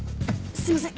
すいません。